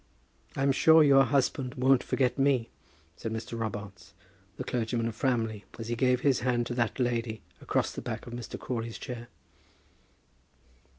"I'm sure your husband won't forget me," said Mr. Robarts, the clergyman of Framley, as he gave his hand to that lady across the back of Mr. Crawley's chair.